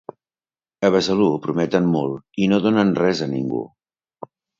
A Besalú prometen molt i no donen res a ningú.